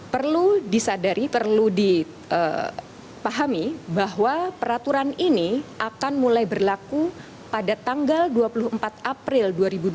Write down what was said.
perlu disadari perlu dipahami bahwa peraturan ini akan mulai berlaku pada tanggal dua puluh empat april dua ribu dua puluh